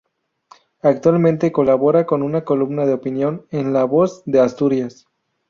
Actualmente colabora con una columna de opinión en La Voz de Asturias.